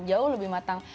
jauh lebih matang